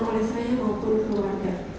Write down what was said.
oleh saya maupun keluarga